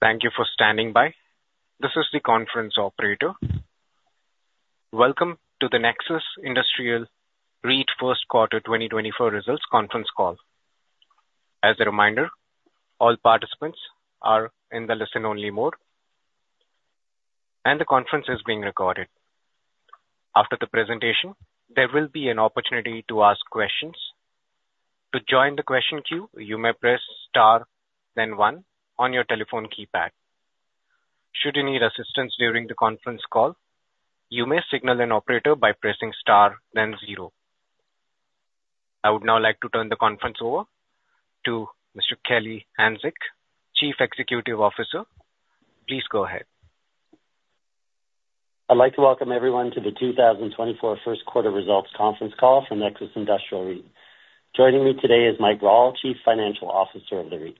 Thank you for standing by. This is the conference operator. Welcome to the Nexus Industrial REIT First Quarter 2024 Results Conference Call. As a reminder, all participants are in the listen-only mode, and the conference is being recorded. After the presentation, there will be an opportunity to ask questions. To join the question queue, you may press star, then one on your telephone keypad. Should you need assistance during the conference call, you may signal an operator by pressing star, then zero. I would now like to turn the conference over to Mr. Kelly Hanczyk, Chief Executive Officer. Please go ahead. I'd like to welcome everyone to the 2024 First Quarter Results Conference Call from Nexus Industrial REIT. Joining me today is Mike Rawle, Chief Financial Officer of the REIT.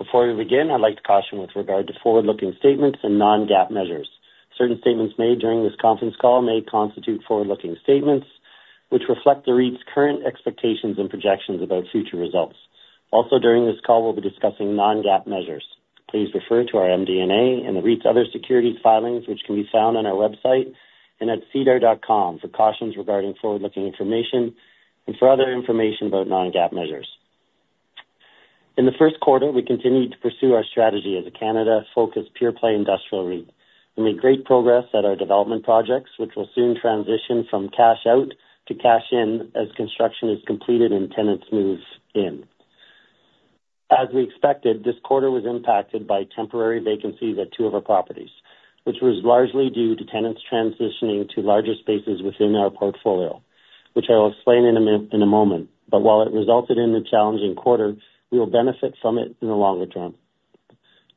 Before we begin, I'd like to caution with regard to forward-looking statements and non-GAAP measures. Certain statements made during this conference call may constitute forward-looking statements, which reflect the REIT's current expectations and projections about future results. Also, during this call, we'll be discussing non-GAAP measures. Please refer to our MD&A and the REIT's other securities filings, which can be found on our website and at sedar.com for cautions regarding forward-looking information and for other information about non-GAAP measures. In the first quarter, we continued to pursue our strategy as a Canada-focused, pure-play industrial REIT. We made great progress at our development projects, which will soon transition from cash out to cash in as construction is completed and tenants move in. As we expected, this quarter was impacted by temporary vacancies at two of our properties, which was largely due to tenants transitioning to larger spaces within our portfolio, which I will explain in a moment. But while it resulted in a challenging quarter, we will benefit from it in the longer term.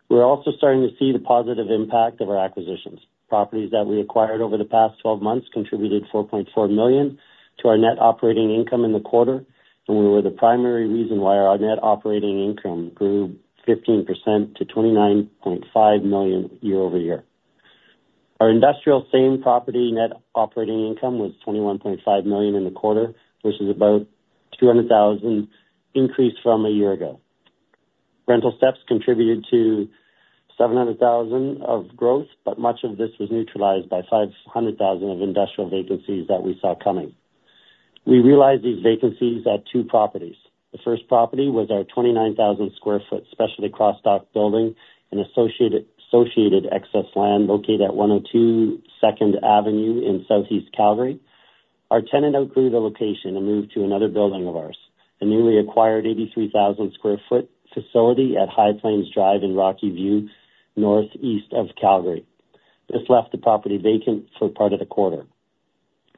We're also starting to see the positive impact of our acquisitions. Properties that we acquired over the past 12 months contributed 4.4 million to our net operating income in the quarter, and we were the primary reason why our net operating income grew 15% to 29.5 million year-over-year. Our industrial same-property net operating income was 21.5 million in the quarter, which is about 200,000 increase from a year ago. Rental steps contributed to 700,000 of growth, but much of this was neutralized by 500,000 of industrial vacancies that we saw coming. We realized these vacancies at two properties. The first property was our 29,000 sq ft specialty cross-dock building and associated excess land located at 102 2nd Avenue in Southeast Calgary. Our tenant outgrew the location and moved to another building of ours, a newly acquired 83,000 sq ft facility at High Plains Drive in Rocky View, northeast of Calgary. This left the property vacant for part of the quarter.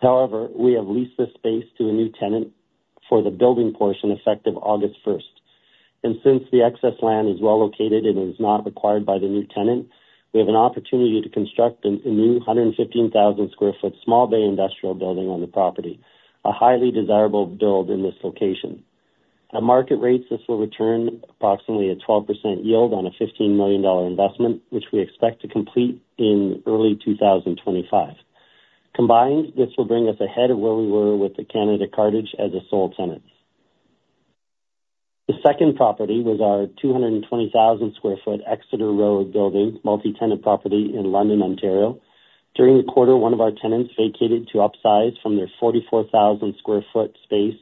However, we have leased this space to a new tenant for the building portion, effective August 1. And since the excess land is well located and is not required by the new tenant, we have an opportunity to construct a new 115,000 sq ft small bay industrial building on the property, a highly desirable build in this location. At market rates, this will return approximately a 12% yield on a 15 million dollar investment, which we expect to complete in early 2025. Combined, this will bring us ahead of where we were with the Canada Cartage as the sole tenant. The second property was our 220,000 sq ft Exeter Road building, multi-tenant property in London, Ontario. During the quarter, one of our tenants vacated to upsize from their 44,000 sq ft space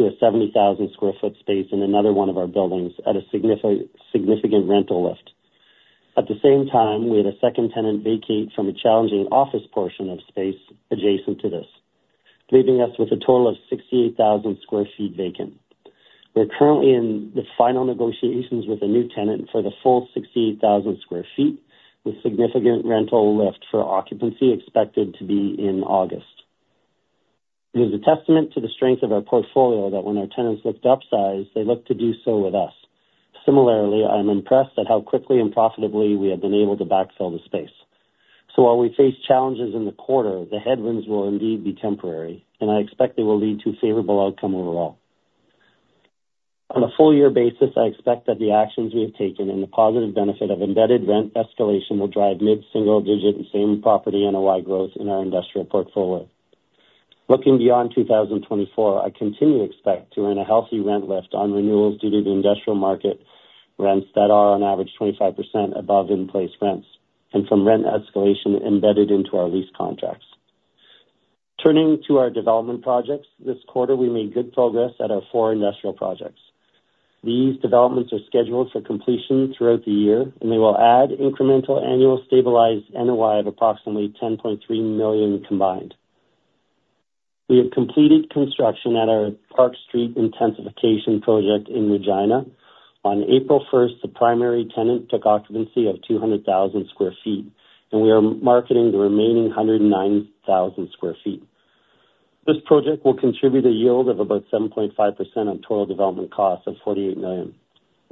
to a 70,000 sq ft space in another one of our buildings at a significant rental lift. At the same time, we had a second tenant vacate from a challenging office portion of space adjacent to this, leaving us with a total of 68,000 sq ft vacant. We're currently in the final negotiations with a new tenant for the full 68,000 sq ft, with significant rental lift for occupancy expected to be in August. It is a testament to the strength of our portfolio that when our tenants look to upsize, they look to do so with us. Similarly, I am impressed at how quickly and profitably we have been able to backfill the space. So while we face challenges in the quarter, the headwinds will indeed be temporary, and I expect they will lead to a favorable outcome overall. On a full year basis, I expect that the actions we have taken and the positive benefit of embedded rent escalation will drive mid-single-digit same-property NOI growth in our industrial portfolio. Looking beyond 2024, I continue to expect to earn a healthy rent lift on renewals due to the industrial market rents that are on average 25% above in-place rents and from rent escalation embedded into our lease contracts. Turning to our development projects, this quarter, we made good progress at our four industrial projects. These developments are scheduled for completion throughout the year, and they will add incremental annual stabilized NOI of approximately 10.3 million combined. We have completed construction at our Park Street intensification project in Regina. On April first, the primary tenant took occupancy of 200,000 sq ft, and we are marketing the remaining 109,000 sq ft. This project will contribute a yield of about 7.5% on total development costs of 48 million.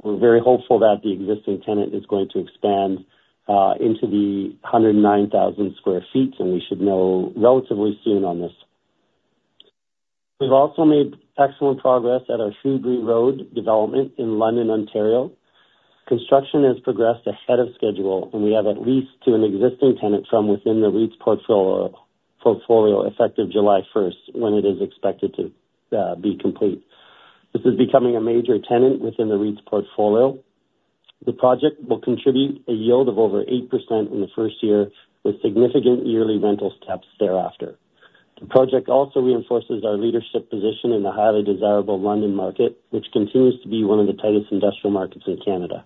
We're very hopeful that the existing tenant is going to expand into the 109,000 sq ft, and we should know relatively soon on this. We've also made excellent progress at our Hubrey Road development in London, Ontario. Construction has progressed ahead of schedule, and we have a lease to an existing tenant from within the REIT's portfolio, effective July first, when it is expected to be complete. This is becoming a major tenant within the REIT's portfolio. The project will contribute a yield of over 8% in the first year, with significant yearly rental steps thereafter. The project also reinforces our leadership position in the highly desirable London market, which continues to be one of the tightest industrial markets in Canada.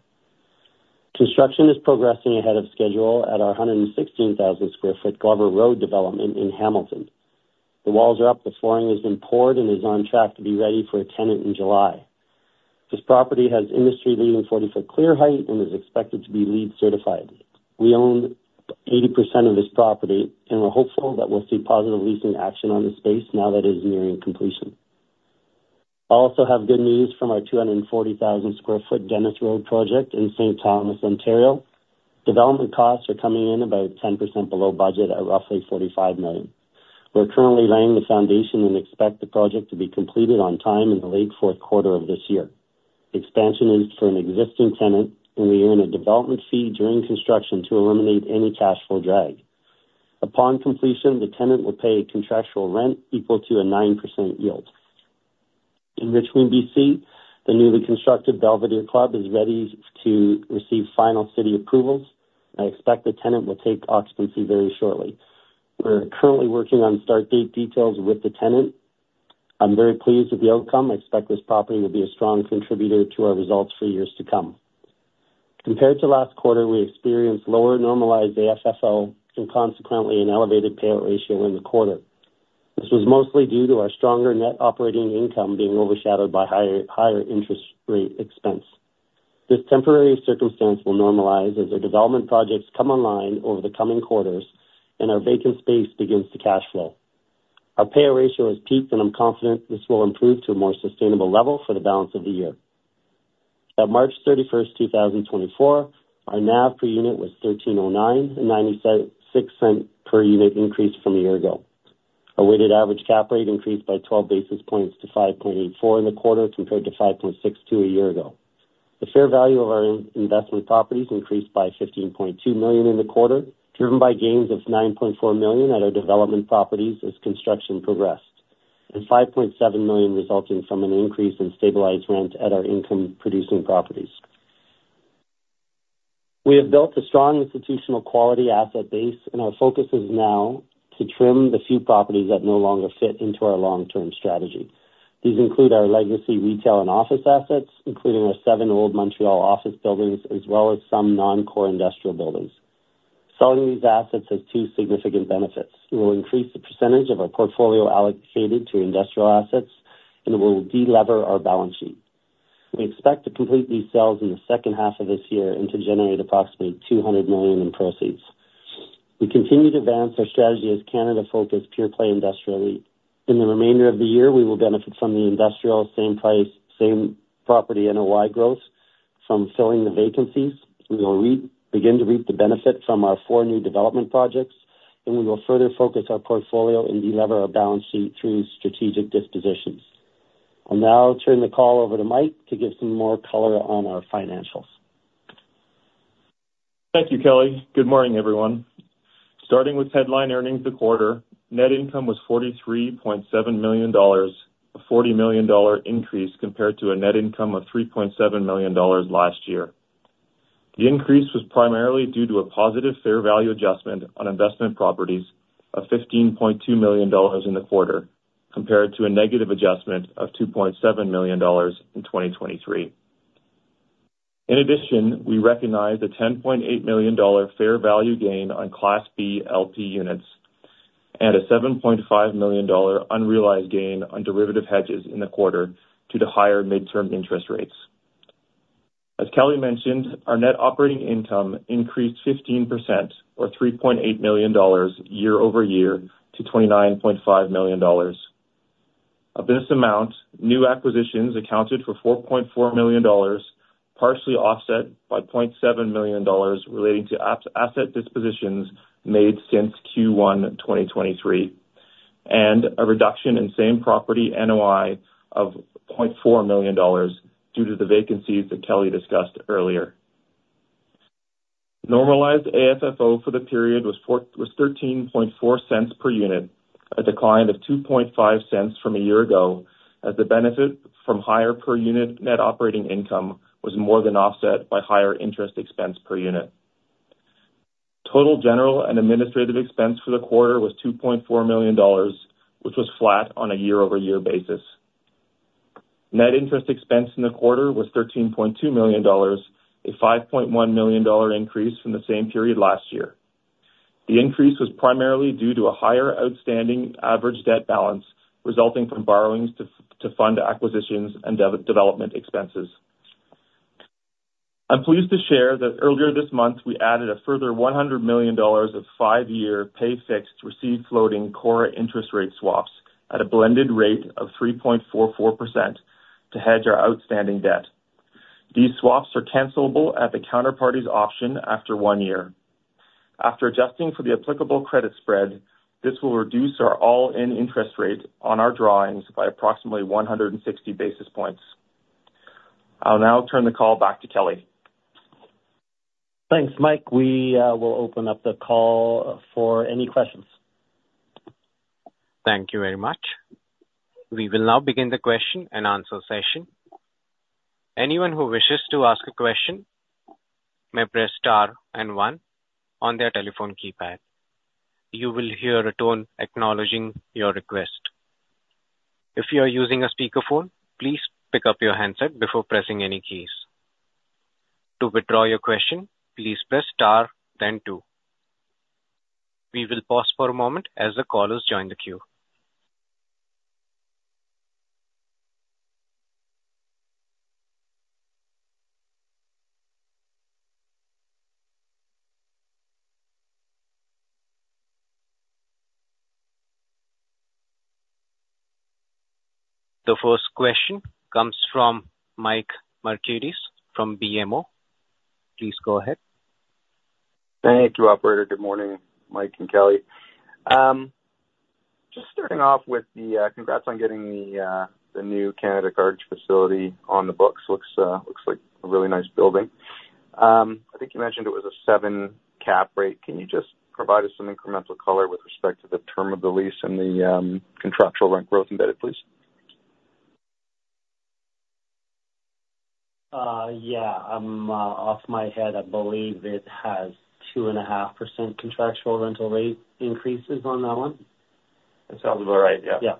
Construction is progressing ahead of schedule at our 116,000 sq ft Glover Road development in Hamilton. The walls are up, the flooring has been poured, and is on track to be ready for a tenant in July. This property has industry-leading 40-foot clear height and is expected to be LEED certified. We own 80% of this property, and we're hopeful that we'll see positive leasing action on this space now that it is nearing completion. I also have good news from our 240,000 sq ft Dennis Road project in St. Thomas, Ontario. Development costs are coming in about 10% below budget at roughly 45 million. We're currently laying the foundation and expect the project to be completed on time in the late fourth quarter of this year. Expansion is for an existing tenant, and we earn a development fee during construction to eliminate any cash flow drag. Upon completion, the tenant will pay a contractual rent equal to a 9% yield. In Richmond, BC, the newly constructed Belvedere Club is ready to receive final city approvals. I expect the tenant will take occupancy very shortly. We're currently working on start date details with the tenant. I'm very pleased with the outcome. I expect this property to be a strong contributor to our results for years to come. Compared to last quarter, we experienced lower normalized AFFO and consequently an elevated payout ratio in the quarter. This was mostly due to our stronger net operating income being overshadowed by higher interest rate expense. This temporary circumstance will normalize as our development projects come online over the coming quarters and our vacant space begins to cash flow. Our payout ratio has peaked, and I'm confident this will improve to a more sustainable level for the balance of the year. At March 31, 2024, our NAV per unit was 1,309, a 0.96 per unit increase from a year ago. Our weighted average cap rate increased by 12 basis points to 5.84 in the quarter, compared to 5.62 a year ago. The fair value of our investment properties increased by 15.2 million in the quarter, driven by gains of 9.4 million at our development properties as construction progressed, and 5.7 million resulting from an increase in stabilized rent at our income-producing properties. We have built a strong institutional quality asset base, and our focus is now to trim the few properties that no longer fit into our long-term strategy. These include our legacy retail and office assets, including our seven Old Montreal office buildings, as well as some non-core industrial buildings. Selling these assets has two significant benefits. It will increase the percentage of our portfolio allocated to industrial assets, and it will de-lever our balance sheet. We expect to complete these sales in the second half of this year and to generate approximately 200 million in proceeds. We continue to advance our strategy as Canada-focused, pure-play industrial REIT. In the remainder of the year, we will benefit from the industrial same-property NOI growth from filling the vacancies. We will begin to reap the benefit from our four new development projects, and we will further focus our portfolio and delever our balance sheet through strategic dispositions. I'll now turn the call over to Mike to give some more color on our financials. Thank you, Kelly. Good morning, everyone. Starting with headline earnings the quarter, net income was 43.7 million dollars, a 40 million dollar increase compared to a net income of 3.7 million dollars last year. The increase was primarily due to a positive fair value adjustment on investment properties of 15.2 million dollars in the quarter, compared to a negative adjustment of 2.7 million dollars in 2023. In addition, we recognized a 10.8 million dollar fair value gain on Class B LP units and a 7.5 million dollar unrealized gain on derivative hedges in the quarter due to higher midterm interest rates. As Kelly mentioned, our net operating income increased 15%, or 3.8 million dollars, year-over-year to 29.5 million dollars. Of this amount, new acquisitions accounted for 4.4 million dollars, partially offset by 0.7 million dollars relating to asset dispositions made since Q1 2023, and a reduction in same-property NOI of 0.4 million dollars due to the vacancies that Kelly discussed earlier. Normalized AFFO for the period was 0.134 per unit, a decline of 0.025 from a year ago, as the benefit from higher per unit net operating income was more than offset by higher interest expense per unit. Total general and administrative expense for the quarter was 2.4 million dollars, which was flat on a year-over-year basis. Net interest expense in the quarter was 13.2 million dollars, a 5.1 million dollar increase from the same period last year. The increase was primarily due to a higher outstanding average debt balance resulting from borrowings to fund acquisitions and development expenses. I'm pleased to share that earlier this month, we added a further 100 million dollars of five-year pay fixed receive floating core interest rate swaps at a blended rate of 3.44% to hedge our outstanding debt. These swaps are cancelable at the counterparty's option after one year. After adjusting for the applicable credit spread, this will reduce our all-in interest rate on our drawings by approximately 160 basis points. I'll now turn the call back to Kelly. Thanks, Mike. We will open up the call for any questions. Thank you very much. We will now begin the question and answer session. Anyone who wishes to ask a question may press star and one on their telephone keypad. You will hear a tone acknowledging your request. If you are using a speakerphone, please pick up your handset before pressing any keys. To withdraw your question, please press star, then two. We will pause for a moment as the callers join the queue. The first question comes from Mike Markidis from BMO. Please go ahead. Thank you, operator. Good morning, Mike and Kelly. Just starting off with the congrats on getting the new Canada Cartage facility on the books. Looks like a really nice building. I think you mentioned it was a 7 cap rate. Can you just provide us some incremental color with respect to the term of the lease and the contractual rent growth embedded, please? Off the top of my head, I believe it has 2.5% contractual rental rate increases on that one. That sounds about right, yeah. Yeah.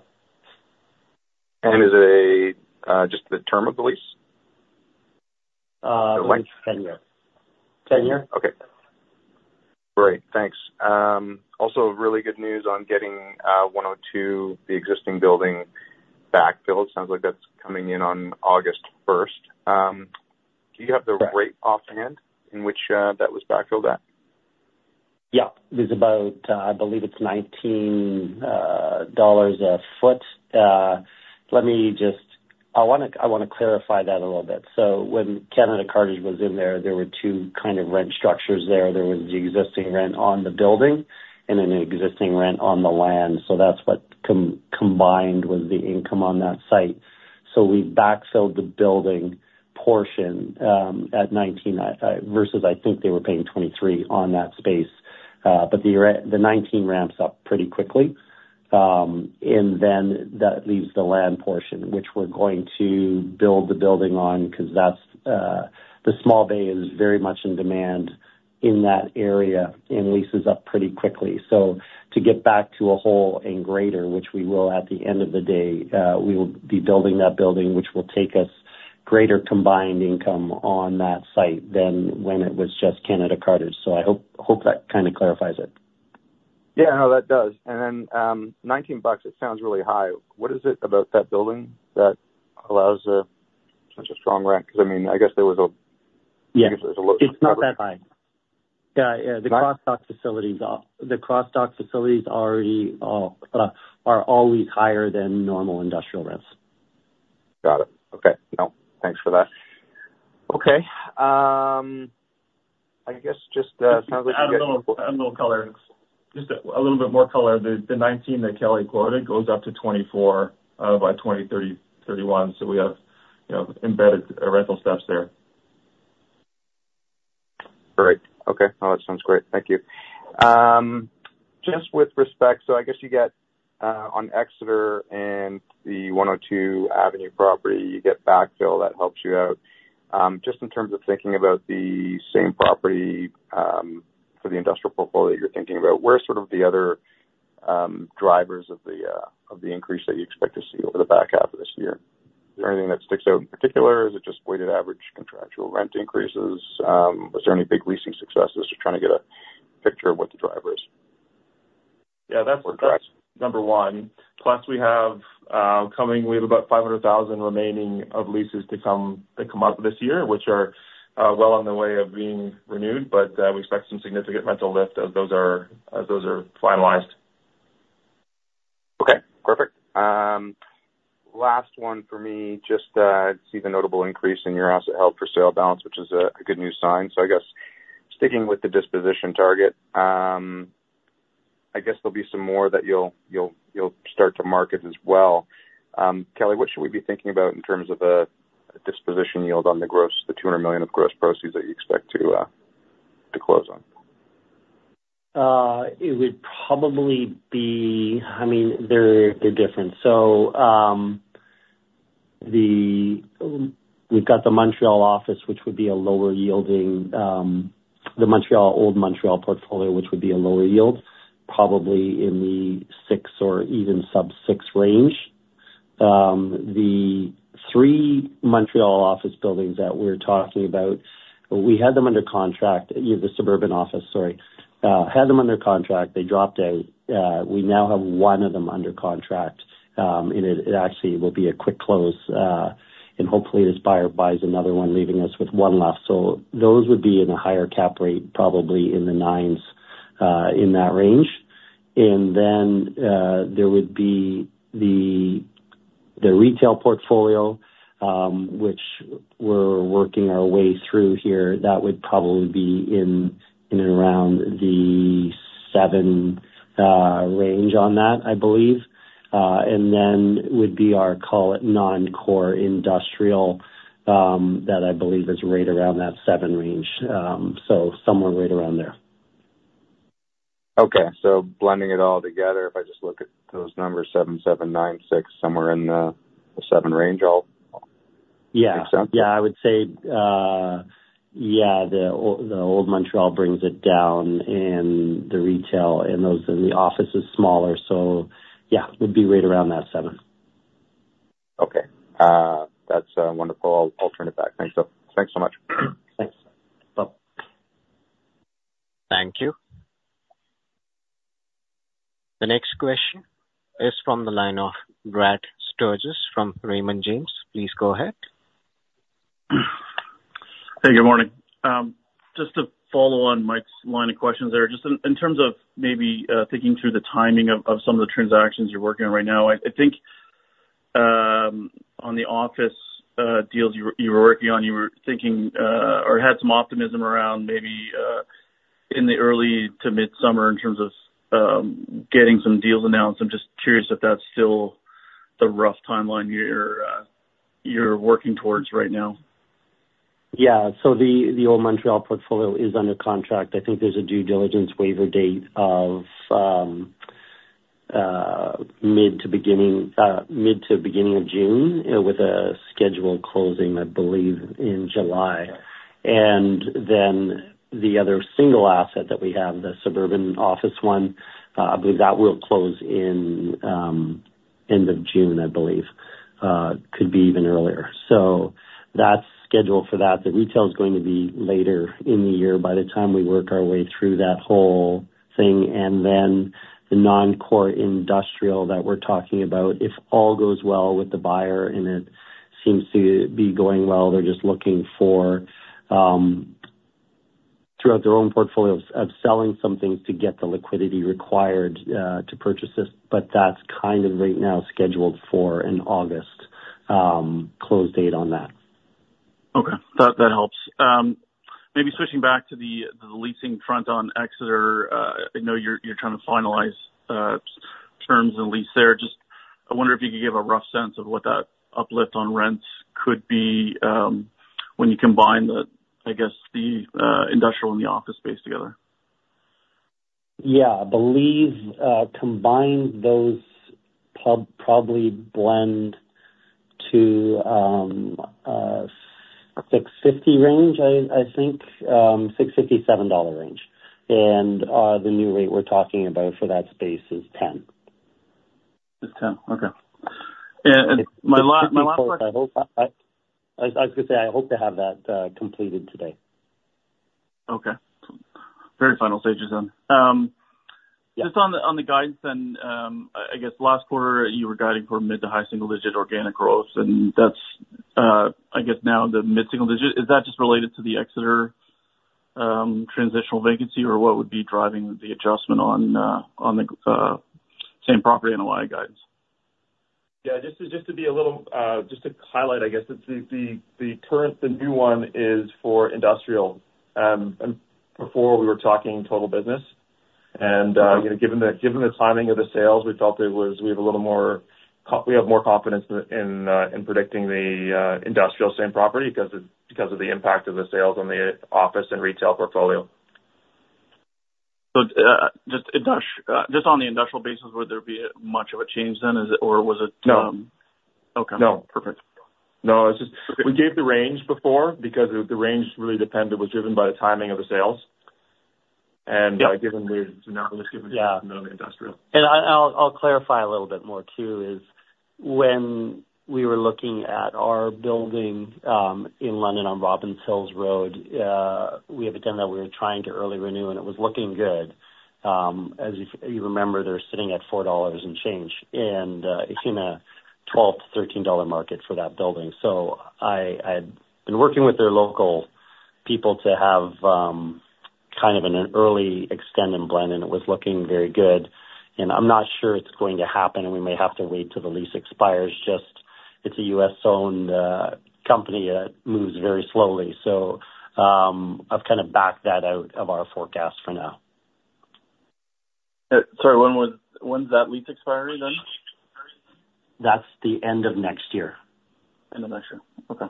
Is it just the term of the lease? 10 year. 10 year. Okay. Great, thanks. Also, really good news on getting 102, the existing building backfilled. Sounds like that's coming in on August first. Do you have the rate offhand in which that was backfilled at? Yeah. It's about, I believe it's 19 dollars a foot. Let me just. I wanna clarify that a little bit. So when Canada Cartage was in there, there were two kind of rent structures there. There was the existing rent on the building and then the existing rent on the land. So that's what combined with the income on that site. So we backfilled the building portion at 19 versus I think they were paying 23 on that space. But the 19 ramps up pretty quickly. And then that leaves the land portion, which we're going to build the building on, 'cause that's the small bay is very much in demand in that area, and leases up pretty quickly. So to get back to a whole and greater, which we will at the end of the day, we will be building that building, which will take us greater combined income on that site than when it was just Canada Cartage. So I hope, hope that kind of clarifies it. Yeah, no, that does. And then, 19 bucks, it sounds really high. What is it about that building that allows a such a strong rent? Because, I mean, I guess there was a- Yeah. I guess there was a look- It's not that high. Yeah, yeah. What? The cross-dock facilities already are always higher than normal industrial rents. Got it. Okay. No, thanks for that. Okay, I guess just sounds like you got- Add a little, add a little color. Just a little bit more color. The 19 that Kelly quoted goes up to 24 by 2030, 2031. So we have, you know, embedded rental steps there. Great. Okay. Oh, it sounds great. Thank you. Just with respect, so I guess you get on Exeter and the 102 2nd Avenue property, you get backfill, that helps you out. Just in terms of thinking about the same property, for the industrial portfolio you're thinking about, where sort of the other drivers of the increase that you expect to see over the back half of this year? Is there anything that sticks out in particular, or is it just weighted average contractual rent increases? Is there any big leasing successes? Just trying to get a picture of what the driver is. Yeah, that's, that's number one. Plus, we have, coming, we have about 500,000 remaining of leases to come, that come up this year, which are, well on the way of being renewed, but, we expect some significant rental lift as those are, as those are finalized. Okay, perfect. Last one for me. Just, I see the notable increase in your asset held for sale balance, which is a good news sign. So I guess sticking with the disposition target, I guess there'll be some more that you'll start to market as well. Kelly, what should we be thinking about in terms of a disposition yield on the gross, the 200 million of gross proceeds that you expect to close on? It would probably be. I mean, they're, they're different. So, we've got the Montreal office, which would be a lower yielding, the Montreal, Old Montreal portfolio, which would be a lower yield, probably in the 6 or even sub-6 range. The 3 Montreal office buildings that we're talking about, we had them under contract, the suburban office, sorry, had them under contract, they dropped out. We now have one of them under contract, and it, it actually will be a quick close, and hopefully, this buyer buys another one, leaving us with one left. So those would be in a higher cap rate, probably in the 9s, in that range. And then, there would be the, the retail portfolio, which we're working our way through here. That would probably be in the-. in and around the 7 range on that, I believe. And then would be our, call it non-core industrial, that I believe is right around that 7 range. So somewhere right around there. Okay. So blending it all together, if I just look at those numbers, 7, 7, 9, 6, somewhere in the seven range, I'll- Yeah. Makes sense? Yeah, I would say, yeah, the Old Montreal brings it down and the retail and those, and the office is smaller, so yeah, it would be right around that seven. Okay. That's wonderful. I'll turn it back. Thanks so much. Thanks. Bye. Thank you. The next question is from the line of Brad Sturges from Raymond James. Please go ahead. Hey, good morning. Just to follow on Mike's line of questions there. Just in terms of maybe thinking through the timing of some of the transactions you're working on right now, I think on the office deals you were working on, you were thinking or had some optimism around maybe in the early to mid-summer in terms of getting some deals announced. I'm just curious if that's still the rough timeline you're working towards right now? Yeah. So the Old Montreal portfolio is under contract. I think there's a due diligence waiver date of mid to beginning of June with a scheduled closing, I believe, in July. And then the other single asset that we have, the suburban office one, I believe that will close in end of June, I believe. Could be even earlier. So that's scheduled for that. The retail is going to be later in the year by the time we work our way through that whole thing. And then the non-core industrial that we're talking about, if all goes well with the buyer, and it seems to be going well, they're just looking for, throughout their own portfolios, of selling some things to get the liquidity required to purchase this. That's kind of right now scheduled for an August close date on that. Okay, that helps. Maybe switching back to the leasing front on Exeter. I know you're trying to finalize terms and lease there. Just, I wonder if you could give a rough sense of what that uplift on rents could be, when you combine the, I guess, the industrial and the office space together. Yeah. I believe, combined those probably blend to, 6.50 range, I think, 6.50-7 dollar range. And, the new rate we're talking about for that space is 10. It's 10, okay. Yeah, and my last, my last question- I hope, I was gonna say, I hope to have that completed today. Okay. Very final stages then. Yeah. Just on the guidance then, I guess last quarter, you were guiding for mid- to high-single-digit organic growth, and that's, I guess now the mid-single-digit. Is that just related to the Exeter transitional vacancy, or what would be driving the adjustment on the same-property NOI guidance? Yeah, just to highlight, I guess, it's the current, the new one is for industrial. And before we were talking total business and you know, given the timing of the sales, we have more confidence in predicting the industrial same property, because of the impact of the sales on the office and retail portfolio. Just industrial, just on the industrial basis, would there be much of a change then, is it, or was it? No. Okay. No. Perfect. No, it's just- Perfect. We gave the range before, because the range really depended, was driven by the timing of the sales. Yeah. And, given the, now let's give it industrial. I'll clarify a little bit more, too, is when we were looking at our building in London on Robins Hill Road, we had a tenant that we were trying to early renew, and it was looking good. As you remember, they're sitting at $4 and change, and it's in a $12-$13 market for that building. So I'd been working with their local people to have kind of an early extend and blend, and it was looking very good. And I'm not sure it's going to happen, and we may have to wait till the lease expires. It's a U.S.-owned company, it moves very slowly. So I've kind of backed that out of our forecast for now. Sorry, when's that lease expiry then? That's the end of next year. End of next year. Okay.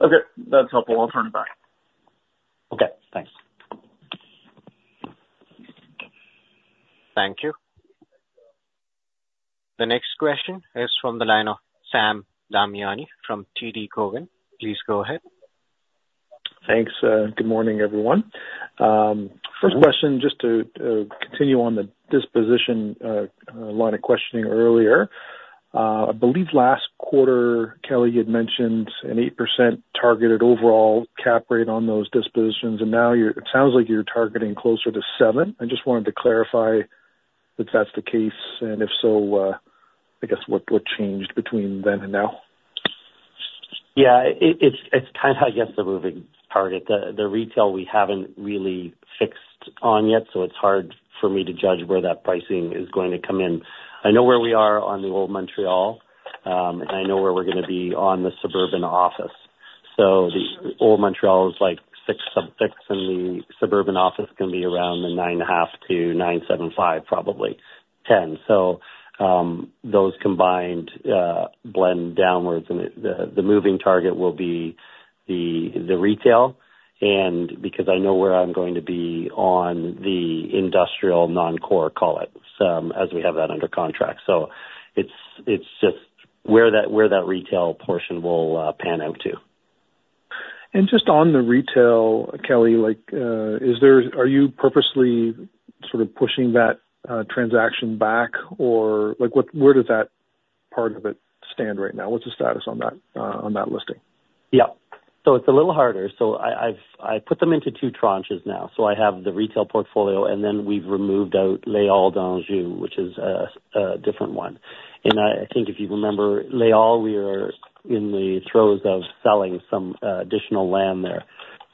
Okay, that's helpful. I'll turn it back. Okay, thanks. Thank you. The next question is from the line of Sam Damiani from TD Cowen. Please go ahead. Thanks, good morning, everyone. First question, just to continue on the disposition line of questioning earlier. I believe last quarter, Kelly, you had mentioned an 8% targeted overall cap rate on those dispositions, and now you're it sounds like you're targeting closer to 7? I just wanted to clarify if that's the case, and if so, I guess what changed between then and now? Yeah, it's kind of, I guess, a moving target. The retail we haven't really fixed on yet, so it's hard for me to judge where that pricing is going to come in. I know where we are on the Old Montreal. And I know where we're gonna be on the suburban office. So the Old Montreal is like 6.6, and the suburban office is gonna be around the 9.5 to 9.75, probably 10. So those combined blend downwards, and the moving target will be the retail, and because I know where I'm going to be on the industrial non-core, call it some, as we have that under contract. So it's just where that retail portion will pan out to. Just on the retail, Kelly, like, is there, are you purposely sort of pushing that transaction back? Or, like, what, where does that part of it stand right now? What's the status on that, on that listing? Yeah. So it's a little harder. So I've put them into two tranches now. So I have the retail portfolio, and then we've removed out Les Halles d'Anjou, which is a different one. And I think if you remember Les Halles, we are in the throes of selling some additional land there.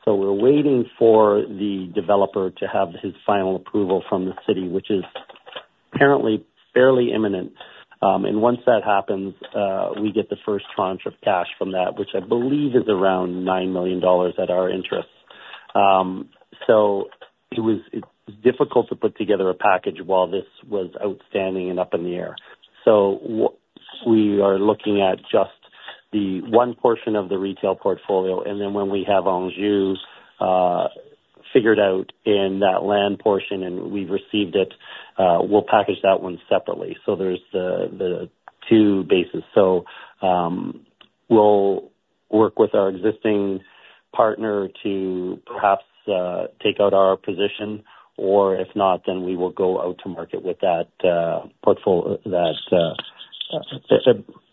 So we're waiting for the developer to have his final approval from the city, which is apparently fairly imminent. And once that happens, we get the first tranche of cash from that, which I believe is around 9 million dollars at our interest. So it's difficult to put together a package while this was outstanding and up in the air. So we are looking at just the one portion of the retail portfolio, and then when we have Anjou figured out in that land portion and we've received it, we'll package that one separately. So there's the two bases. So we'll work with our existing partner to perhaps take out our position, or if not, then we will go out to market with that, a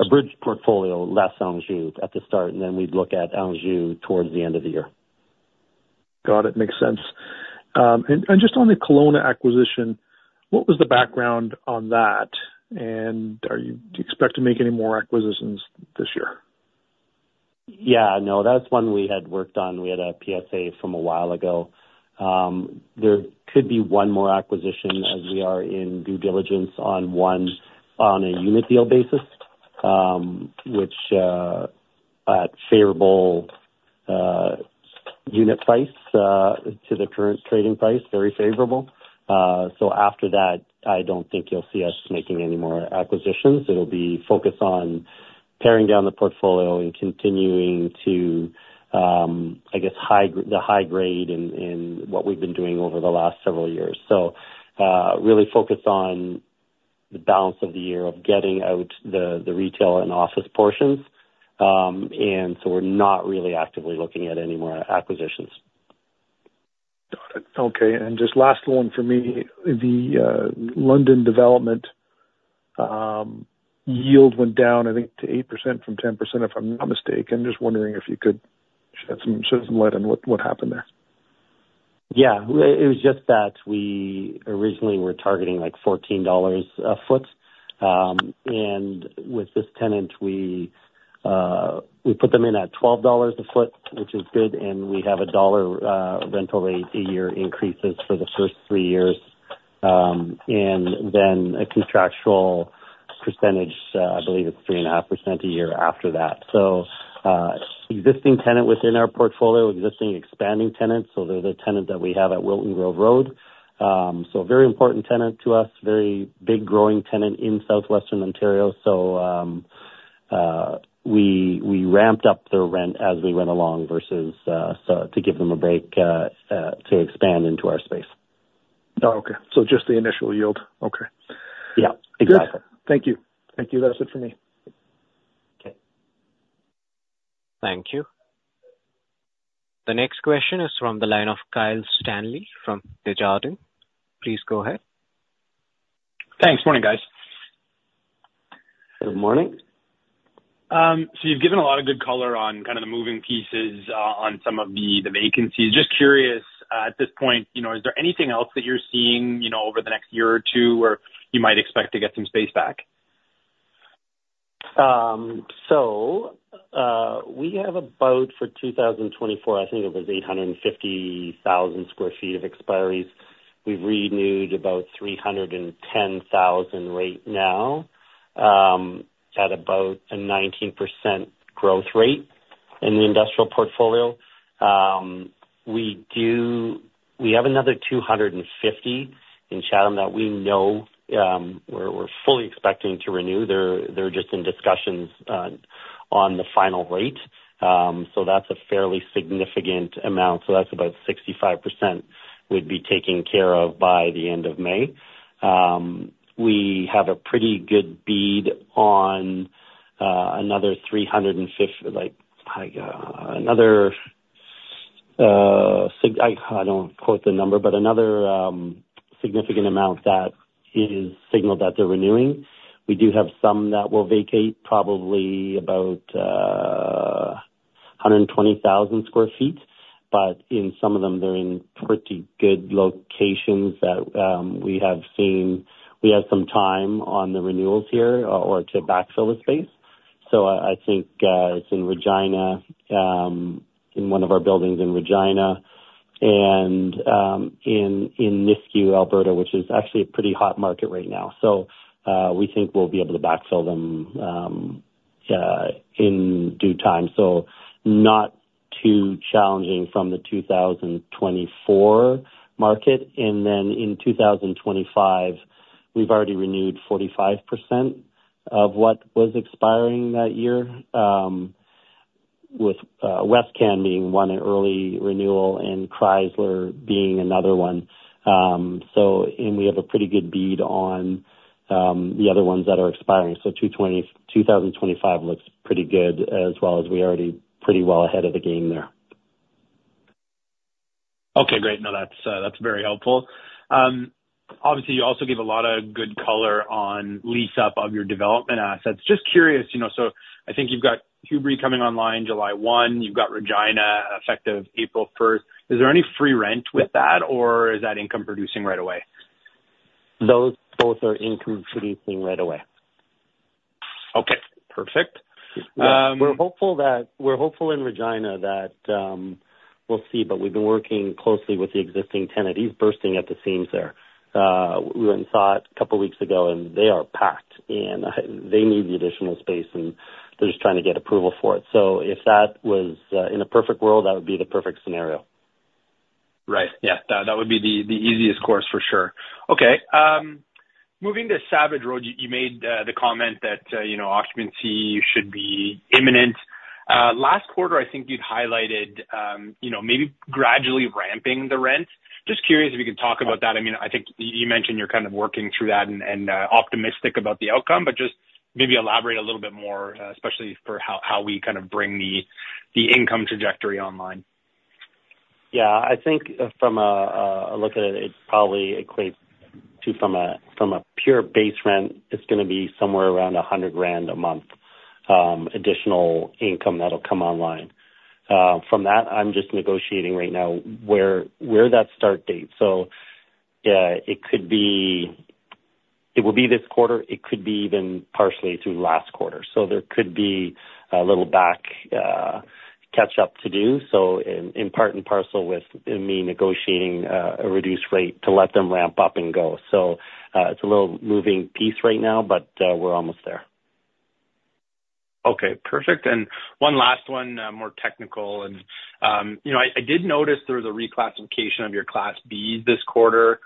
bridge portfolio, less Anjou at the start, and then we'd look at Anjou towards the end of the year. Got it. Makes sense. And just on the Kelowna acquisition, what was the background on that? And do you expect to make any more acquisitions this year? Yeah. No, that's one we had worked on. We had a PSA from a while ago. There could be one more acquisition, as we are in due diligence on one, on a unit deal basis, which at favorable unit price to the current trading price, very favorable. So after that, I don't think you'll see us making any more acquisitions. It'll be focused on paring down the portfolio and continuing to, I guess, high grade in what we've been doing over the last several years. So really focused on the balance of the year of getting out the retail and office portions. And so we're not really actively looking at any more acquisitions. Got it. Okay, and just last one for me. The London development yield went down, I think, to 8% from 10%, if I'm not mistaken. I'm just wondering if you could shed some light on what happened there. Yeah. It was just that we originally were targeting, like, 14 dollars a foot. And with this tenant, we put them in at 12 dollars a foot, which is good, and we have a CAD 1 rental rate a year increases for the first 3 years, and then a contractual percentage, I believe it's 3.5% a year after that. So, existing tenant within our portfolio, existing expanding tenant, so they're the tenant that we have at Wilton Grove Road. So a very important tenant to us, very big, growing tenant in Southwestern Ontario. So, we ramped up their rent as we went along versus, so to give them a break, to expand into our space. Oh, okay. So just the initial yield. Okay. Yeah, exactly. Thank you. Thank you. That's it for me. Okay. Thank you. The next question is from the line of Kyle Stanley from Desjardins. Please go ahead. Thanks. Morning, guys. Good morning. So you've given a lot of good color on kind of the moving pieces on some of the, the vacancies. Just curious, at this point, you know, is there anything else that you're seeing, you know, over the next year or two, where you might expect to get some space back? So, we have about for 2024, I think it was 850,000 sq ft of expiries. We've renewed about 310,000 right now, at about a 19% growth rate in the industrial portfolio. We have another 250 in Chatham that we know, we're fully expecting to renew. They're just in discussions on the final rate. So that's a fairly significant amount. So that's about 65% would be taken care of by the end of May. We have a pretty good bead on another 350. Like, another significant amount that is signaled that they're renewing. We do have some that will vacate, probably about 120,000 sq ft, but in some of them, they're in pretty good locations that we have seen. We have some time on the renewals here or to backfill the space. So I think it's in Regina, in one of our buildings in Regina. and in Nisku, Alberta, which is actually a pretty hot market right now. So we think we'll be able to backfill them in due time, so not too challenging from the 2024 market. And then in 2025, we've already renewed 45% of what was expiring that year, with Westcan being one, an early renewal and Chrysler being another one. We have a pretty good bead on the other ones that are expiring. 2025 looks pretty good as well, as we're already pretty well ahead of the game there. Okay, great. No, that's, that's very helpful. Obviously, you also gave a lot of good color on lease up of your development assets. Just curious, you know, so I think you've got Hubrey coming online July 1, you've got Regina effective April 1. Is there any free rent with that, or is that income producing right away? Those both are income producing right away. Okay, perfect. We're hopeful in Regina that we'll see, but we've been working closely with the existing tenant. He's bursting at the seams there. We went and saw it a couple weeks ago, and they are packed, and they need the additional space, and they're just trying to get approval for it. So if that was. In a perfect world, that would be the perfect scenario. Right. Yeah, that would be the easiest course, for sure. Okay, moving to Savage Road, you made the comment that you know, occupancy should be imminent. Last quarter, I think you'd highlighted you know, maybe gradually ramping the rent. Just curious if you could talk about that. I mean, I think you mentioned you're kind of working through that and optimistic about the outcome, but just maybe elaborate a little bit more, especially for how we kind of bring the income trajectory online. Yeah. I think from a look at it, it probably equates to from a pure base rent, it's gonna be somewhere around 100,000 a month, additional income that'll come online. From that, I'm just negotiating right now where that start date. So, it could be - it will be this quarter, it could be even partially through last quarter. So there could be a little back catch up to do, so in part and parcel with me negotiating, a reduced rate to let them ramp up and go. So, it's a little moving piece right now, but, we're almost there. Okay, perfect. And one last one, more technical. And, you know, I, I did notice there was a reclassification of your Class B this quarter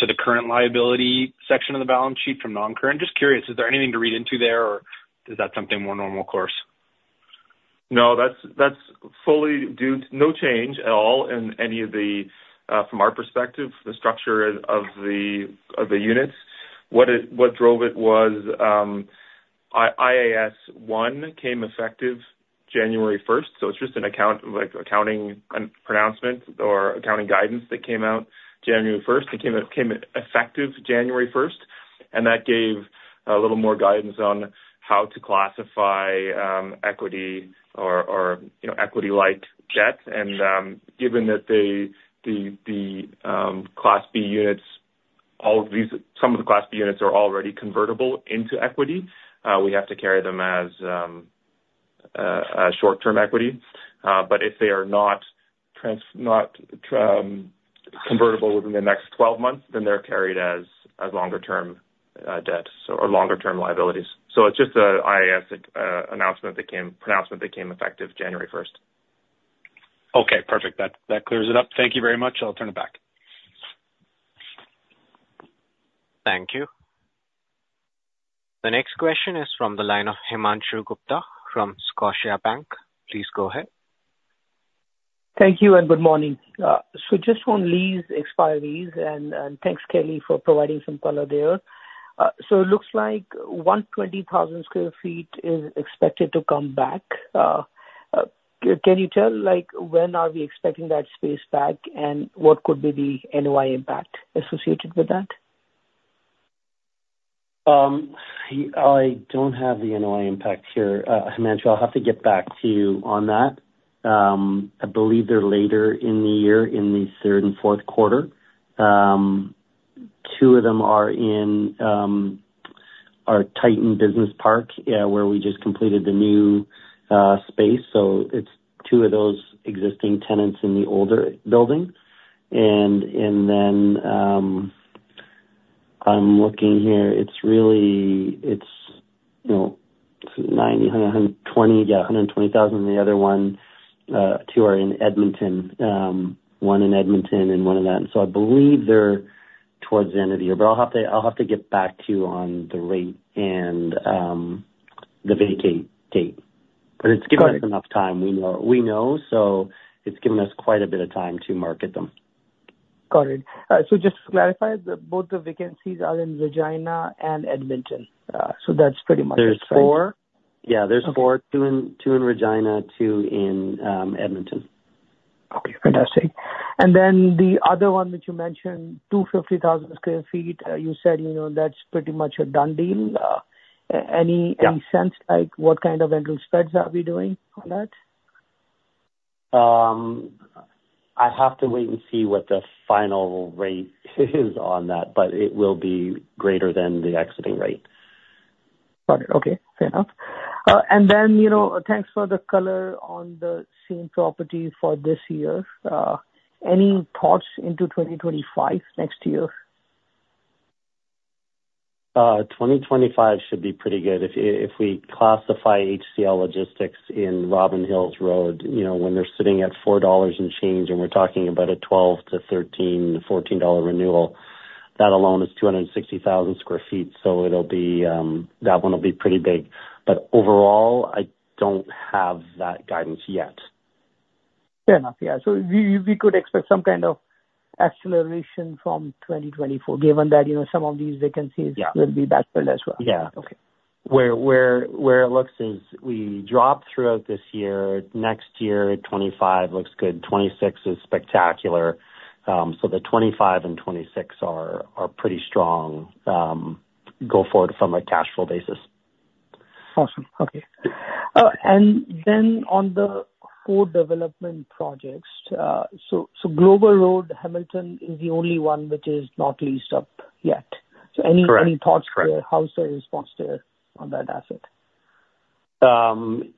to the current liability section of the balance sheet from non-current. Just curious, is there anything to read into there, or is that something more normal course? No, that's, that's fully due to no change at all in any of the, from our perspective, the structure of, of the, of the units. What drove it was, IAS 1 came effective January 1st, so it's just an accounting pronouncement or accounting guidance that came out January 1st. It came out, came effective January 1st, and that gave a little more guidance on how to classify, equity or, or, you know, equity-like debt. And, given that the, the, the, Class B units, all of these-- some of the Class B units are already convertible into equity, we have to carry them as, a short-term equity. But if they are not, not, convertible within the next 12 months, then they're carried as, as longer-term, debt, so. or longer-term liabilities. So it's just a IAS pronouncement that became effective January 1st. Okay, perfect. That, that clears it up. Thank you very much. I'll turn it back. Thank you. The next question is from the line of Himanshu Gupta from Scotiabank. Please go ahead. Thank you, and good morning. So just on lease expiries, and thanks, Kelly, for providing some color there. So it looks like 120,000 sq ft is expected to come back. Can you tell, like, when are we expecting that space back, and what could be the NOI impact associated with that? I don't have the NOI impact here, Himanshu. I'll have to get back to you on that. I believe they're later in the year, in the third and fourth quarter. Two of them are in our Titan Business Park, where we just completed the new space, so it's two of those existing tenants in the older building. And then, I'm looking here, it's really, it's, you know, 90, a 120, yeah, 120,000, the other one. Two are in Edmonton, one in Edmonton and one in Edmonton. So I believe they're towards the end of the year, but I'll have to get back to you on the rate and the vacate date. Got it. It's given us enough time. We know, we know, so it's given us quite a bit of time to market them. Got it. So just to clarify, the both the vacancies are in Regina and Edmonton. So that's pretty much it, right? There's four. Yeah, there's four. Okay. 2 in, 2 in Regina, 2 in, Edmonton. Okay, fantastic. And then the other one that you mentioned, 250,000 sq ft, you said, you know, that's pretty much a done deal. Any any sense, like what kind of rental spreads are we doing on that? I have to wait and see what the final rate is on that, but it will be greater than the existing rate. Got it. Okay, fair enough. And then, you know, thanks for the color on the same property for this year. Any thoughts into 2025, next year? 2025 should be pretty good. If we classify HCL Logistics in Robins Hill Road, you know, when they're sitting at 4 dollars and change, and we're talking about a 12-14 dollar renewal, that alone is 260,000 sq ft, so it'll be, that one will be pretty big. But overall, I don't have that guidance yet. Fair enough. Yeah. So we could expect some kind of acceleration from 2024, given that, you know, some of these vacancies- Yeah. Will be backfilled as well? Yeah. Okay. Where it looks is we dropped throughout this year. Next year, 2025 looks good, 2026 is spectacular. So the 2025 and 2026 are, are pretty strong, go forward from a cash flow basis. Awesome. Okay. And then on the core development projects, so Glover Road, Hamilton is the only one which is not leased up yet. Correct. So any thoughts there? How's the response there on that asset?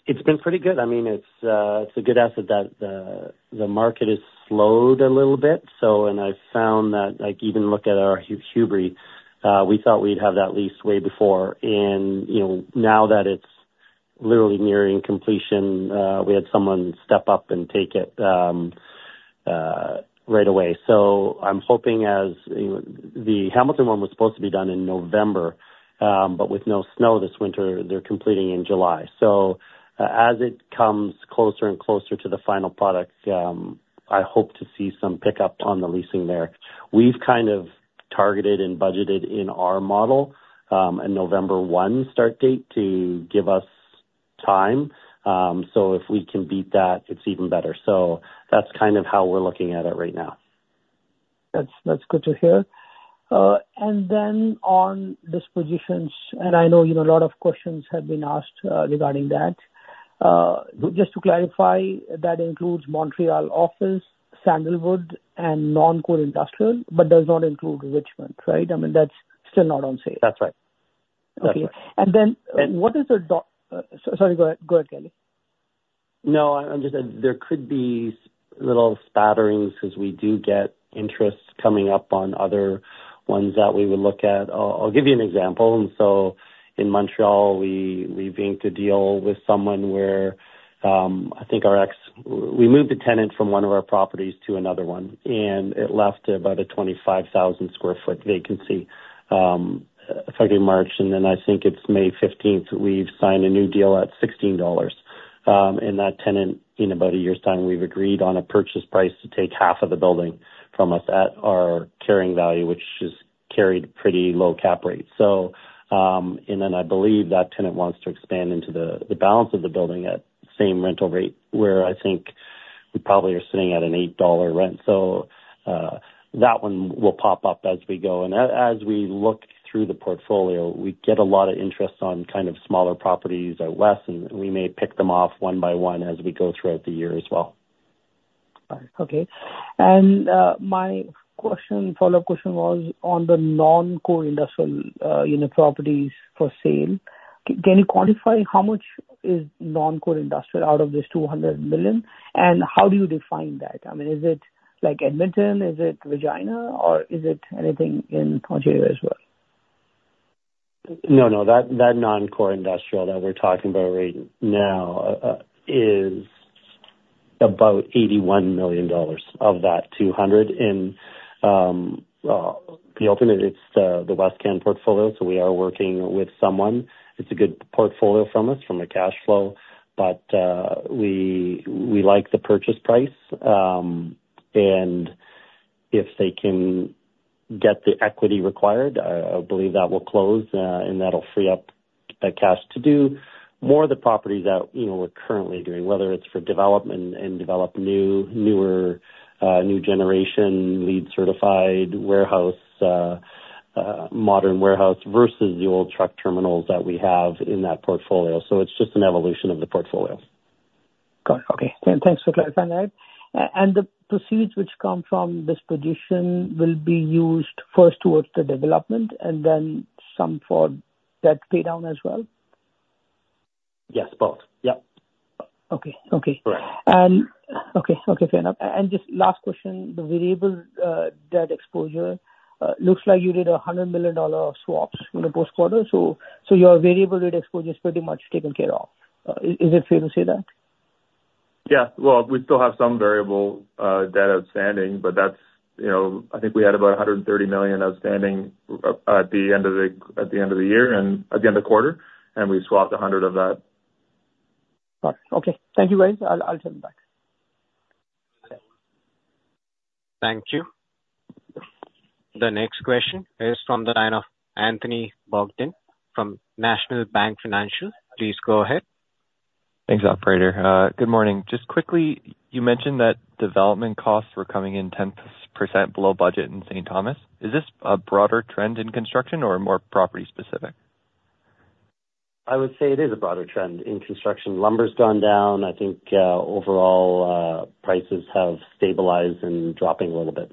It's been pretty good. I mean, it's a good asset that the market has slowed a little bit. So, and I've found that, like, even look at our Hubrey, we thought we'd have that leased way before. And, you know, now that it's literally nearing completion, we had someone step up and take it, right away. So I'm hoping as, you know. The Hamilton one was supposed to be done in November, but with no snow this winter, they're completing in July. So as it comes closer and closer to the final product, I hope to see some pickup on the leasing there. We've kind of targeted and budgeted in our model, a November 1 start date to give us time, so if we can beat that, it's even better. That's kind of how we're looking at it right now. That's good to hear. And then on dispositions, and I know, you know, a lot of questions have been asked regarding that. Just to clarify, that includes Montreal office, Sandalwood, and non-core industrial, but does not include Richmond, right? I mean, that's still not on sale. That's right. Okay. That's right. And then what is the, sorry, go ahead. Go ahead, Kelly. No, I'm just saying there could be little spatterings, because we do get interest coming up on other ones that we would look at. I'll give you an example. So in Montreal, we banked a deal with someone where we moved a tenant from one of our properties to another one, and it left about a 25,000 sq ft vacancy, effective March, and then I think it's May fifteenth, we've signed a new deal at 16 dollars. And that tenant, in about a year's time, we've agreed on a purchase price to take half of the building from us at our carrying value, which is carried pretty low cap rate. So, and then I believe that tenant wants to expand into the balance of the building at same rental rate, where I think we probably are sitting at a 8 dollar rent. So, that one will pop up as we go. And as we look through the portfolio, we get a lot of interest on kind of smaller properties or less, and we may pick them off one by one as we go throughout the year as well. Okay. And, my question, follow-up question was on the non-core industrial, you know, properties for sale. Can you quantify how much is non-core industrial out of this 200 million? And how do you define that? I mean, is it like Edmonton, is it Regina, or is it anything in Ontario as well? No, no. That non-core industrial that we're talking about right now is about 81 million dollars of that 200. And the ultimate, it's the Westcan portfolio, so we are working with someone. It's a good portfolio from us, from a cash flow, but we like the purchase price. And if they can get the equity required, I believe that will close, and that'll free up the cash to do more of the properties that, you know, we're currently doing, whether it's for development and develop new, newer, new generation, LEED certified warehouse, modern warehouse, versus the old truck terminals that we have in that portfolio. So it's just an evolution of the portfolio. Got it. Okay. Thanks for clarifying that. The proceeds which come from disposition will be used first towards the development and then some for debt paydown as well? Yes, both. Yep. Okay. Okay. Correct. Okay, okay, fair enough. And just last question. The variable debt exposure looks like you did 100 million dollar of swaps in the first quarter, so your variable rate exposure is pretty much taken care of. Is it fair to say that? Yeah. Well, we still have some variable debt outstanding, but that's, you know. I think we had about 130 million outstanding at the end of the year, and at the end of the quarter, and we swapped 100 million of that. Got it. Okay. Thank you, guys. I'll turn back. Thank you. The next question is from the line of Anthony Bogdan from National Bank Financial. Please go ahead. Thanks, operator. Good morning. Just quickly, you mentioned that development costs were coming in 10% below budget in St. Thomas. Is this a broader trend in construction or more property specific? I would say it is a broader trend in construction. Lumber's gone down. I think, overall, prices have stabilized and dropping a little bit.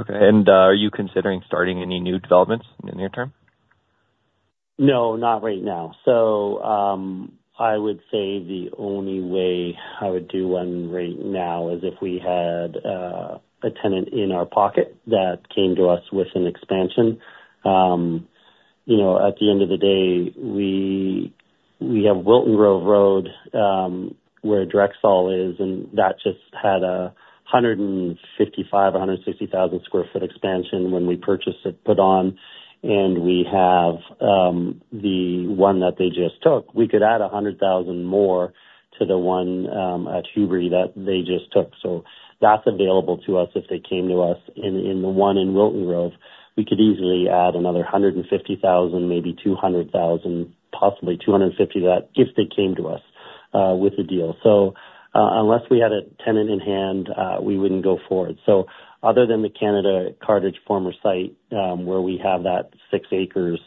Okay, and, are you considering starting any new developments in the near term? No, not right now. So, I would say the only way I would do one right now is if we had a tenant in our pocket that came to us with an expansion. You know, at the end of the day, we have Wilton Grove Road, where Drexel is, and that just had a 155-160 thousand sq ft expansion when we purchased it, put on. And we have the one that they just took. We could add a 100 thousand more to the one at Hubrey that they just took. So that's available to us if they came to us. In the one in Wilton Grove Road, we could easily add another 150 thousand, maybe 200 thousand, possibly 250 thousand, that if they came to us with a deal. Unless we had a tenant in hand, we wouldn't go forward. Other than the Canada Cartage former site, where we have that six acres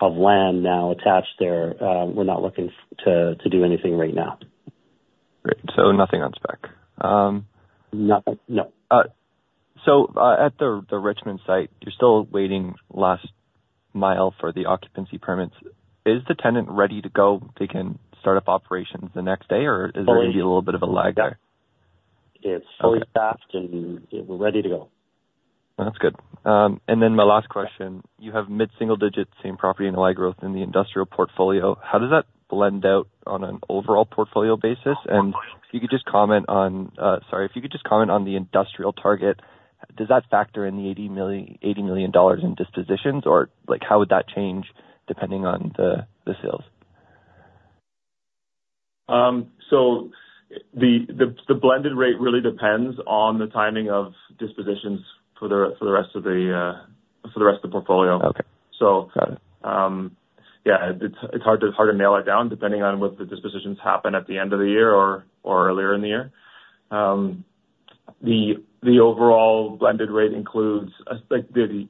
of land now attached there, we're not looking to do anything right now. Great. So nothing on spec? No. No. So, at the Richmond site, you're still waiting last mile for the occupancy permits. Is the tenant ready to go, they can start up operations the next day, or is there going to be a little bit of a lag there? It's fully staffed, and we're ready to go. That's good. And then my last question: You have mid-single digit, same-property NOI growth in the industrial portfolio. How does that blend out on an overall portfolio basis? And if you could just comment on, sorry, if you could just comment on the industrial target, does that factor in the CAD 80 million, 80 million dollars in dispositions, or like, how would that change depending on the, the sales? So the blended rate really depends on the timing of dispositions for the rest of the portfolio. Okay. So- Got it. Yeah, it's hard to nail it down, depending on whether the dispositions happen at the end of the year or earlier in the year. The overall blended rate includes, I think, the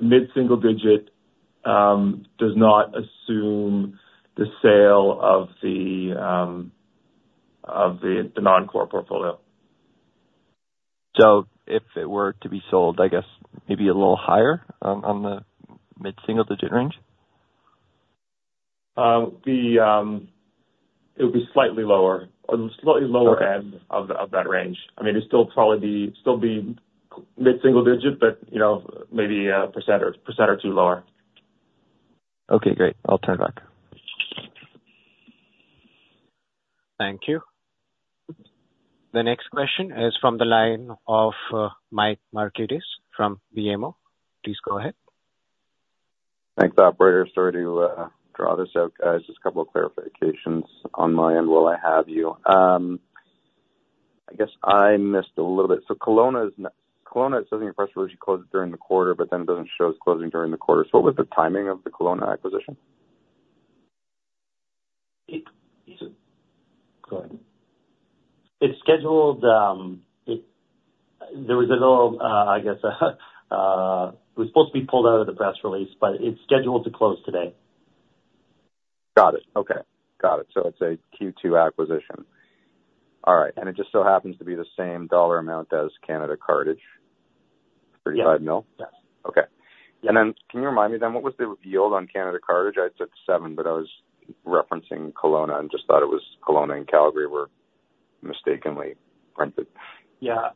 mid-single digit, does not assume the sale of the non-core portfolio. If it were to be sold, I guess maybe a little higher, on the mid-single digit range? It would be slightly lower, on the slightly lower end of that range. I mean, it'd still probably be still be mid-single digit, but, you know, maybe a percent or two lower. Okay, great. I'll turn it back. Thank you. The next question is from the line of, Mike Markidis from BMO. Please go ahead. Thanks, operator. Sorry to draw this out, guys. Just a couple of clarifications on my end while I have you. I guess I missed a little bit. So Kelowna is Kelowna, it says in your press release you closed during the quarter, but then it doesn't show as closing during the quarter. So what was the timing of the Kelowna acquisition? It, it. Go ahead. It's scheduled. There was a little, I guess, it was supposed to be pulled out of the press release, but it's scheduled to close today. Got it. Okay. Got it. So it's a Q2 acquisition. All right, and it just so happens to be the same dollar amount as Canada Cartage? Yeah. Thirty-five mil? Yes. Okay. Yeah. Then can you remind me then, what was the yield on Canada Cartage? I said 7, but I was referencing Kelowna and just thought it was Kelowna and Calgary were mistakenly printed. Yeah.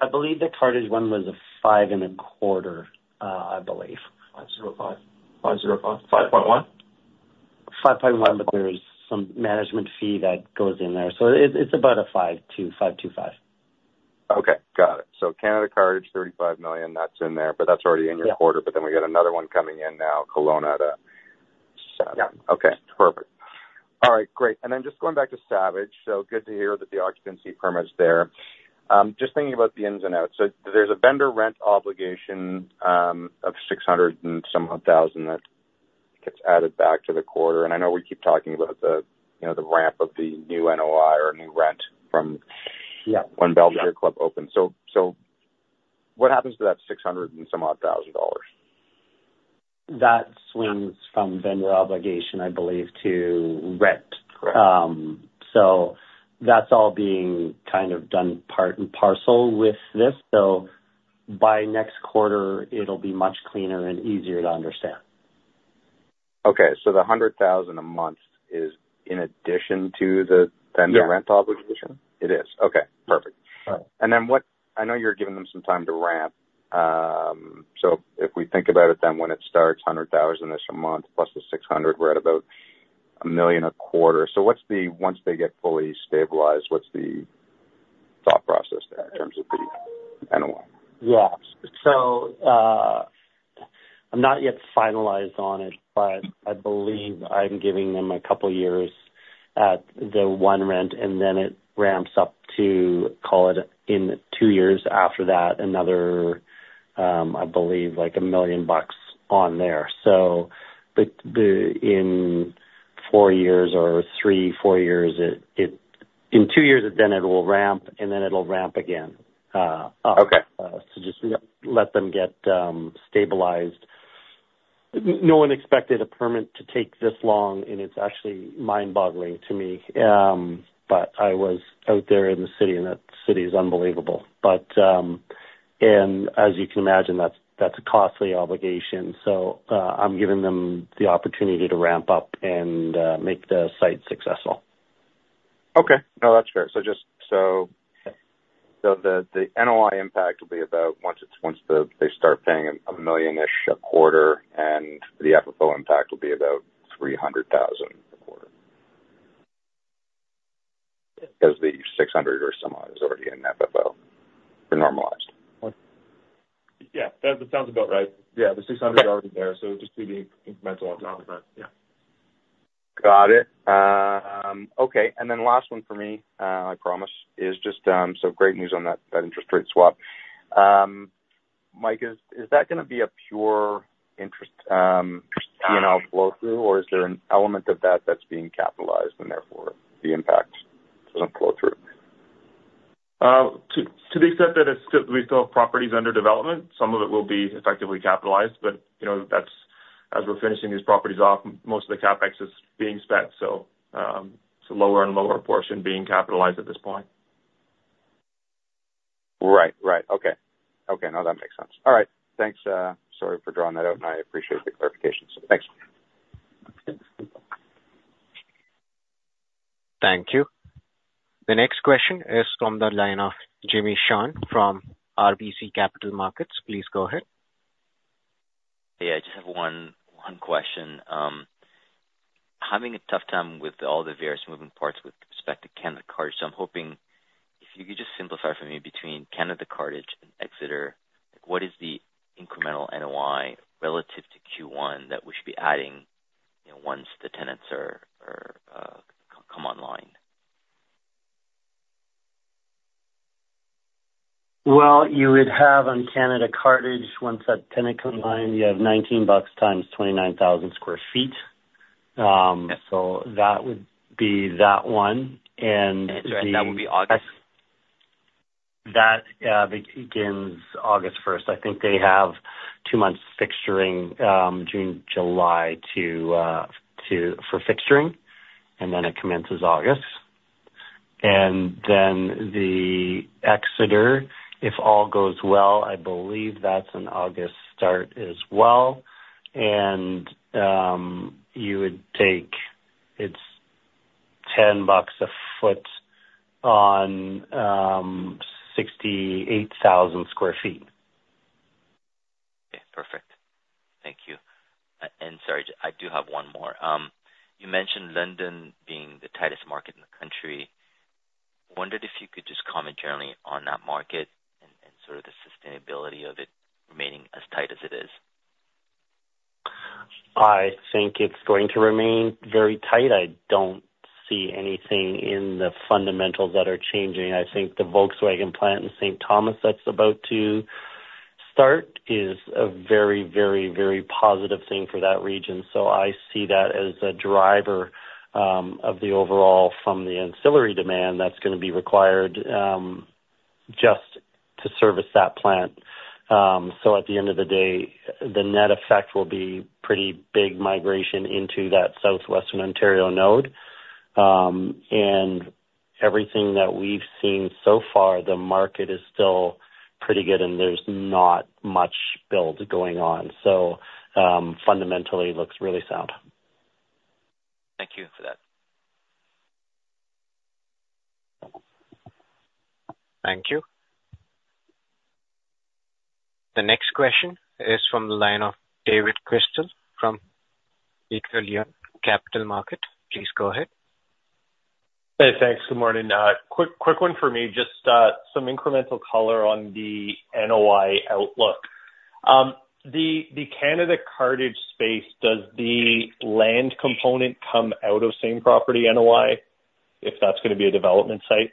I believe the Cartage one was a 5.25, I believe. 505. 505. 5.1? 5.1, but there is some management fee that goes in there, so it's about a 5.2, 5.25. Okay, got it. So Canada Cartage, 35 million, that's in there, but that's already in your quarter. Yeah. But then we got another one coming in now, Kelowna, at 7. Yeah. Okay, perfect. All right, great. And then just going back to Savage, so good to hear that the occupancy permit's there. Just thinking about the ins and outs. So there's a vendor rent obligation of 600,000 or so that gets added back to the quarter. And I know we keep talking about the, you know, the ramp of the new NOI or new rent from when Belvedere Club opens. So, so what happens to that 600 and some odd thousand dollars? That swings from vendor obligation, I believe, to rent. Correct. So that's all being kind of done part and parcel with this. So by next quarter, it'll be much cleaner and easier to understand. Okay, so the 100,000 a month is in addition to the vendor rent obligation? It is. Okay, perfect. Right. And then what? I know you're giving them some time to ramp. So if we think about it then, when it starts, 100,000 a month, plus the 600,000, we're at about 1 million a quarter. So what's the, once they get fully stabilized, what's the thought process there in terms of the NOI? Yeah. So, I'm not yet finalized on it, but I believe I'm giving them a couple years at the one rent, and then it ramps up to, call it, in two years after that, another, I believe, like, 1 million bucks on there. So, in four years or three, four years, it. In two years, then it will ramp, and then it'll ramp again, up. Okay. So just let them get stabilized. No one expected a permit to take this long, and it's actually mind-boggling to me. But I was out there in the city, and that city is unbelievable. But, and as you can imagine, that's, that's a costly obligation. So, I'm giving them the opportunity to ramp up and make the site successful. Okay. No, that's fair. So just, so the NOI impact will be about once they start paying 1 million-ish a quarter, and the FFO impact will be about 300,000 a quarter. Because the 600 or some odd is already in FFO, or normalized. Yeah, that sounds about right. Yeah, the 600's already there, so it just be the incremental on top of that. Yeah. Got it. Okay, and then last one for me, I promise, is just so great news on that interest rate swap. Mike, is that gonna be a pure interest P&L flow through, or is there an element of that that's being capitalized, and therefore, the impact doesn't flow through? To the extent that it's still, we still have properties under development, some of it will be effectively capitalized, but, you know, that's as we're finishing these properties off, most of the CapEx is being spent. So, it's a lower and lower portion being capitalized at this point. Right. Right. Okay. Okay, now that makes sense. All right. Thanks, sorry for drawing that out, and I appreciate the clarification, so thanks. Thank you. The next question is from the line of Jimmy Shan from RBC Capital Markets. Please go ahead. Yeah, I just have one question. Having a tough time with all the various moving parts with respect to Canada Cartage. So I'm hoping if you could just simplify for me, between Canada Cartage and Exeter, what is the incremental NOI relative to Q1 that we should be adding, you know, once the tenants come online? Well, you would have on Canada Cartage, once that tenant come online, you have 19 bucks times 29,000 sq ft. So that would be that one. And the- That would be August? That begins August first. I think they have two months fixturing, June, July to for fixturing, and then it commences August. And then the Exeter, if all goes well, I believe that's an August start as well, and you would take it's 10 bucks a foot on 68,000 sq ft. Okay, perfect. Thank you. Sorry, I do have one more. You mentioned London being the tightest market in the country. I wondered if you could just comment generally on that market and, and sort of the sustainability of it remaining as tight as it is? I think it's going to remain very tight. I don't see anything in the fundamentals that are changing. I think the Volkswagen plant in St. Thomas that's about to start is a very, very, very positive thing for that region. So I see that as a driver, of the overall from the ancillary demand that's gonna be required, just to service that plant. So at the end of the day, the net effect will be pretty big migration into that Southwestern Ontario node. And everything that we've seen so far, the market is still pretty good, and there's not much build going on. So, fundamentally, looks really sound. Thank you for that. Thank you. The next question is from the line of David Chrystal from Echelon Capital Markets. Please go ahead. Hey, thanks. Good morning. Quick one for me. Just some incremental color on the NOI outlook. The Canada Cartage space, does the land component come out of same-property NOI, if that's gonna be a development site?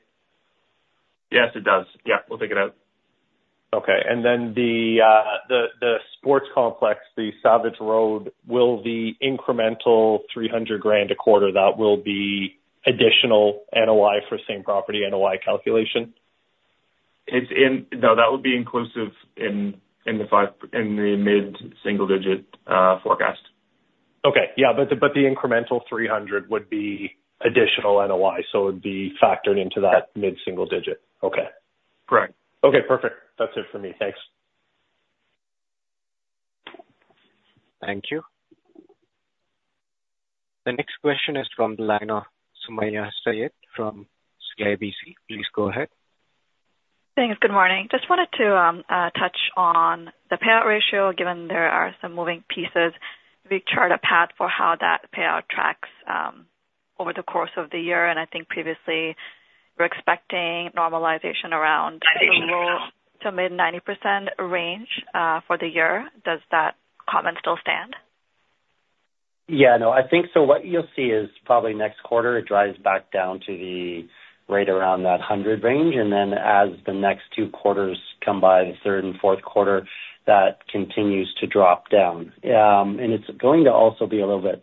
Yes, it does. Yeah, we'll take it out. Okay, and then the sports complex, the Savage Road, will the incremental 300,000 a quarter, that will be additional NOI for same-property NOI calculation? No, that would be inclusive in the 5, in the mid-single digit forecast. Okay, yeah, but the incremental 300 would be additional NOI, so it'd be factored into that mid-single digit. Okay. Correct. Okay, perfect. That's it for me. Thanks. Thank you. The next question is from the line of Sumayya Syed from CIBC. Please go ahead. Thanks. Good morning. Just wanted to touch on the payout ratio, given there are some moving pieces. We chart a path for how that payout tracks over the course of the year, and I think previously, we're expecting normalization around the low-to-mid 90% range for the year. Does that comment still stand? Yeah, no, I think so what you'll see is probably next quarter, it drives back down to the right around that 100 range, and then as the next two quarters come by, the third and fourth quarter, that continues to drop down. And it's going to also be a little bit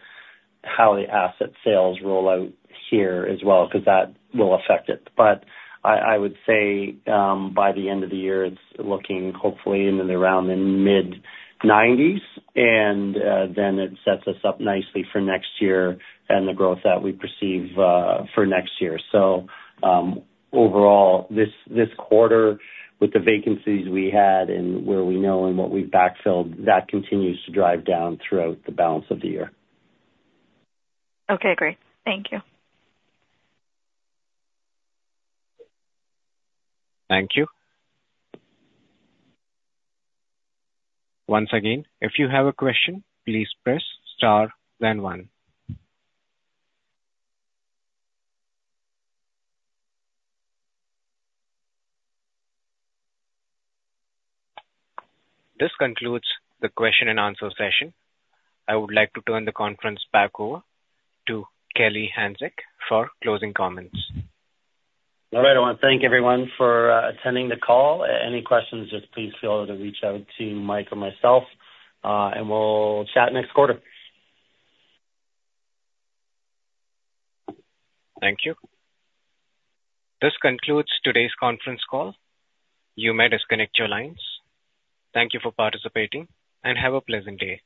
how the asset sales roll out here as well, because that will affect it. But I would say, by the end of the year, it's looking hopefully in and around the mid-90s, and then it sets us up nicely for next year and the growth that we perceive for next year. Overall, this quarter, with the vacancies we had and where we know and what we've backfilled, that continues to drive down throughout the balance of the year. Okay, great. Thank you. Thank you. Once again, if you have a question, please press star then one. This concludes the question and answer session. I would like to turn the conference back over to Kelly Hanczyk for closing comments. All right, I want to thank everyone for attending the call. Any questions, just please feel free to reach out to Mike or myself, and we'll chat next quarter. Thank you. This concludes today's conference call. You may disconnect your lines. Thank you for participating, and have a pleasant day.